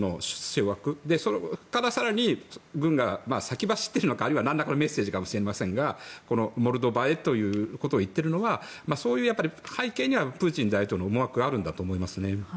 そこから更に軍が先走っているのかあるいは何らかのメッセージかもしれませんがモルドバへということをいっているのが、背景にはプーチン大統領のそういう思惑があるんだろうと思います。